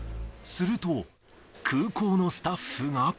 すると、空港のスタッフが。